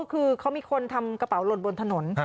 เค้ามีคนทำกระเป๋าโดนบนถนน